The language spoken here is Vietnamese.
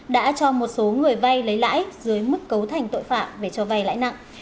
đã cho một số người vai lấy lãi dưới mức cấu thành tội phạm về cho vai lãi nặng